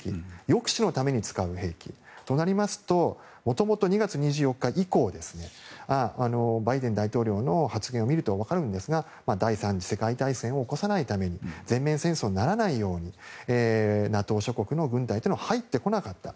抑止のために使う兵器となりますともともと２月２４日以降バイデン大統領の発言を見ると分かるんですが第３次世界大戦を起こさないために全面戦争にならないためにＮＡＴＯ諸国の軍隊は入ってこなかった。